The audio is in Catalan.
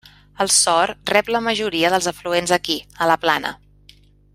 El Sor rep la majoria dels afluents aquí, a la plana.